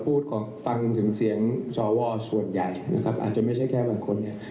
ฟังถึงเสียงสวส่วนใหญ่นะครับอาจจะไม่ใช่แค่บางคนเนี่ย